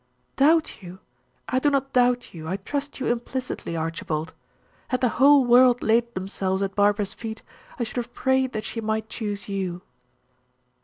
"Doubt you! I do not doubt you, I trust you implicitly, Archibald. Had the whole world laid themselves at Barbara's feet, I should have prayed that she might choose you."